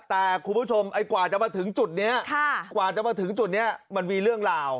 แต่คุณผู้ชมกว่าจะมาถึงจุดนี้มันมีเรื่องราว